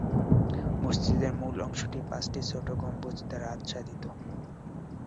মসজিদের মূল অংশটি পাঁচটি ছোট গম্বুজ দ্বারা আচ্ছাদিত।